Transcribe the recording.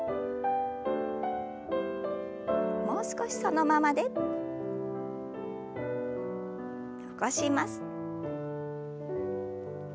もう少しそのままで。起こします。